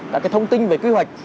các thông tin về quy hoạch